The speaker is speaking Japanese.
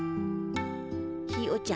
ひよちゃんや。